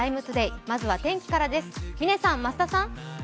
まずは天気からです。